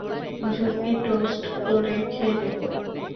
ঝুঁকি টোস্ট করে খেয়ে নেব।